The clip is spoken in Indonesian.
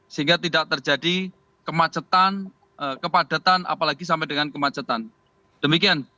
sehingga tidak terjadi kemacetan kepadatan apalagi sampai dengan kemacetan demikian